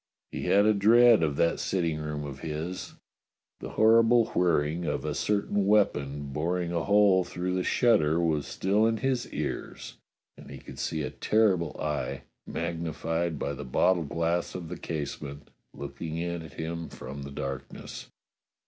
He had a dread of that sitting room of his. The horrible whir ring of a certain weapon boring a whole through the shutter was still in his ears, and he could see a terrible eye, magnified by the bottle glass of the casement, looking in at him from the darkness.